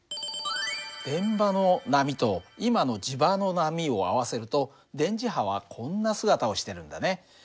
電場の波と今の磁場の波を合わせると電磁波はこんな姿をしてるんだね。